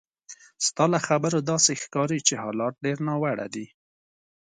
ستا له خبرو داسې ښکاري چې حالات ډېر ناوړه دي.